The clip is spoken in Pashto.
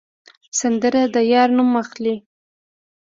سندره د یار نوم اخلي